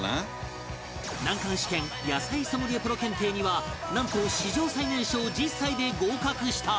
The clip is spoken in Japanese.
難関試験野菜ソムリエプロ検定にはなんと史上最年少１０歳で合格した